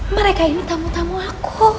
mereka hanyalah teman temanku